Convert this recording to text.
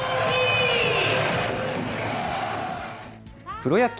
プロ野球